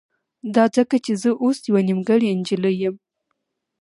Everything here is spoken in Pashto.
دا ځکه چې زه اوس يوه نيمګړې نجلۍ يم.